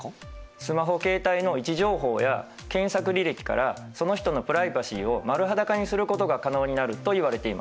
スマホ携帯の位置情報や検索履歴からその人のプライバシーを丸裸にすることが可能になるといわれています。